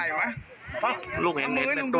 ทีนี้มันก็ไปทีนี้ผมก็รีบไว้นำขึ้นปลา